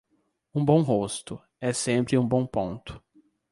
Um bom rosto, é sempre um bom ponto.